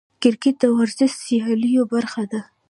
کرکټ د ورزشي سیالیو برخه ده.